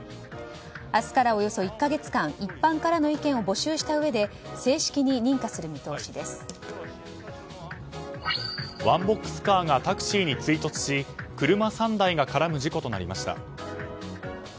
明日からおよそ１か月間一般からの意見を募集したうえでワンボックスカーがタクシーに追突し車３台が絡む事故となりました。